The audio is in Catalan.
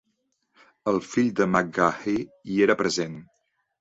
El fill de McGahey hi era present.